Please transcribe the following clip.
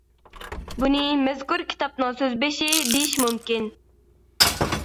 بۇنى مەزكۇر كىتابنىڭ سۆز بېشى دېيىش مۇمكىن.